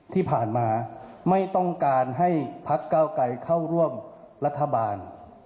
ที่ผ่านมาไม่ต้องการให้พักก้าวกลายเข้าร่วมรัฐบาล